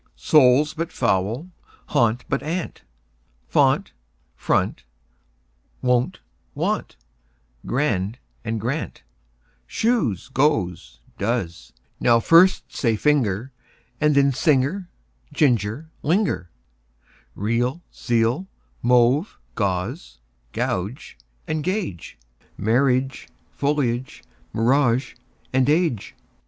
Soul, but foul and gaunt, but aunt; Font, front, wont; want, grand, and, grant, Shoes, goes, does.) Now first say: finger, And then: singer, ginger, linger. Real, zeal; mauve, gauze and gauge; Marriage, foliage, mirage, age.